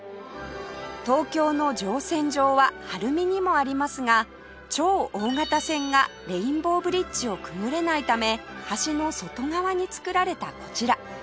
東京の乗船場は晴海にもありますが超大型船がレインボーブリッジをくぐれないため橋の外側に造られたこちら